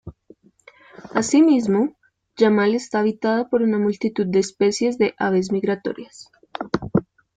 Así mismo, Yamal está habitada por una multitud de especies de aves migratorias.